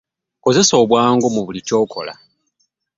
Kozesa obwangu mu buli kyokola.